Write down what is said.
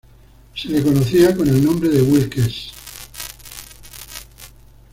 Se le conocía con el nombre de "Wilkes".